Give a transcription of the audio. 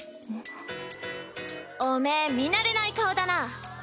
おめぇ見慣れない顔だな？